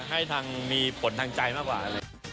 ให้ทางมีผลทางใจมากกว่า